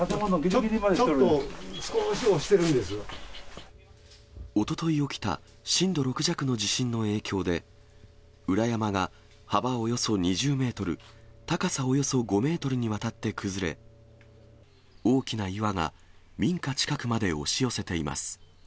ちょっと、少し押してるんでおととい起きた震度６弱の地震の影響で、裏山が幅およそ２０メートル、高さおよそ５メートルにわたって崩れ、大きな岩が民家近くまで押し寄せています。